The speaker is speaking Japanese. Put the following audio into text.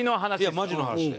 いやマジの話で。